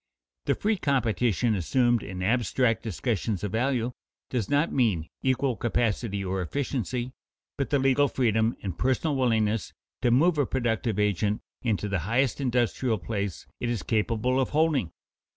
_ The free competition assumed in abstract discussions of value, does not mean equal capacity or efficiency, but the legal freedom and personal willingness to move a productive agent into the highest industrial place it is capable of holding.